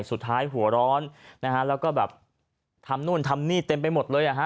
หัวร้อนนะฮะแล้วก็แบบทำนู่นทำนี่เต็มไปหมดเลยอ่ะฮะ